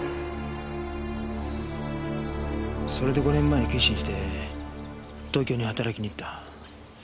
それで５年前に決心して東京に働きに行った。